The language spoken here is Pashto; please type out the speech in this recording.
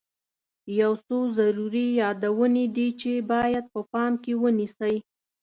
یو څو ضروري یادونې دي چې باید په پام کې ونیسئ.